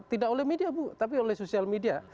tidak oleh media bu tapi oleh sosial media